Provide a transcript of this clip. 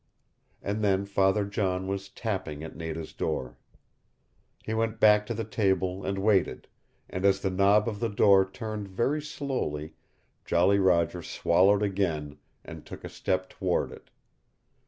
And then Father John was tapping at Nada's door. He went back to the table and waited, and as the knob of the door turned very slowly Jolly Roger swallowed again, and took a step toward it.